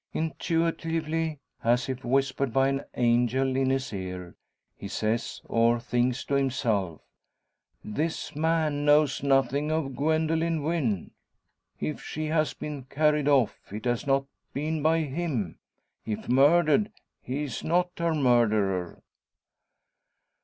Intuitively, as if whispered by an angel in his ear, he says, or thinks to himself: "This man knows nothing of Gwendoline Wynn. If she has been carried off, it has not been by him; if murdered, he is not her murderer."